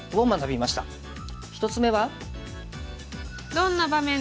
１つ目は。